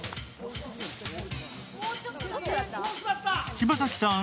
柴咲さん